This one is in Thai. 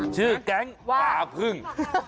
ชื่อแก๊งป่าพึ่ง